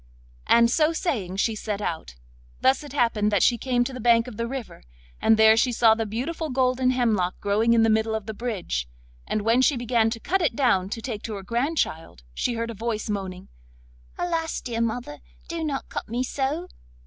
And so saying she set out. Thus it happened that she came to the bank of the river, and there she saw the beautiful golden hemlock growing in the middle of the bridge, and when she began to cut it down to take to her grandchild, she heard a voice moaning: 'Alas! dear mother, do not cut me so!